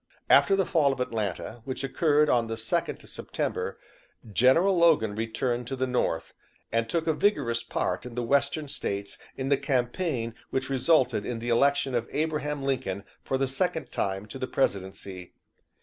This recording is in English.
"After the fall of Atlanta, which occurred on the 2nd of September, General Logan returned to the North, and took a vigorous part in the Western States in the campaign which resulted in the election of Abraham Lincoln for the second time to the presidency.